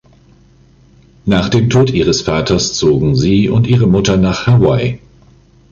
Nach dem Tod ihres Vaters zogen sie und ihre Mutter nach Hawaii.